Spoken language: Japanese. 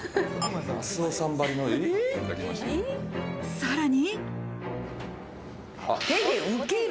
さらに。